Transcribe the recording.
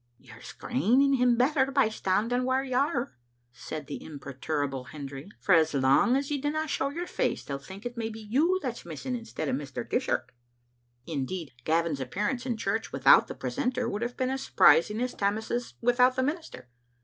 "" You're screening him better by standing whaur you are," said the imperturbable Hendry; "for as lang as you dinna show your face they'll think it may be you that's missing instead o' Mr. Dishart." Indeed, Gavin's appearance in church without the precentor would have been as surprising as Tammas's without the minister.